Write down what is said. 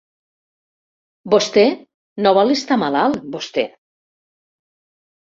Vostè no vol estar malalt, vostè?